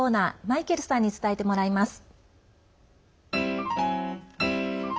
マイケルさんに伝えてもらいます。